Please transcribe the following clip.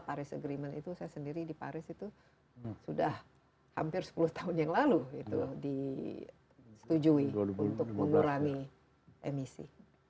paris agreement itu saya sendiri di paris itu sudah hampir sepuluh tahun yang lalu itu disetujui untuk mengurangi emisi